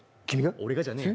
俺がじゃねぇよ。